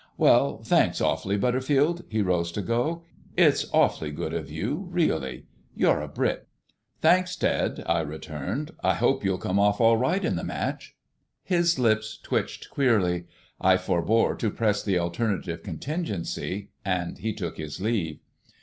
"Well, thanks awfully, Butterfield" he rose to go "it's awfully good of you really. You're a brick." "Thanks, Ted," I returned. "I hope you'll come off all right in the match." His lips twitched queerly; I forbore to press the alternative contingency, and he took his leave.